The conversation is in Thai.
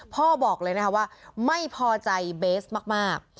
บอกเลยนะคะว่าไม่พอใจเบสมาก